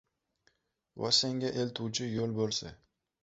Va senga eltuvchi yo‘l bo‘lsa